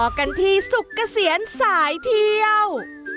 กันที่สุกเกษียณสายเที่ยว